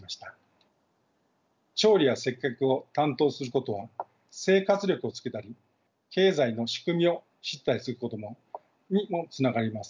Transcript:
調理や接客を担当することは生活力をつけたり経済の仕組みを知ったりすることにもつながります。